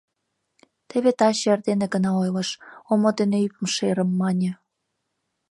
Теве таче эрдене гына ойлыш, омо дене ӱпым шерым, мане.